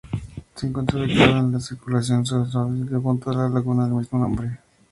Se encuentra ubicado en la circunvalación Sausalito junto a la laguna del mismo nombre.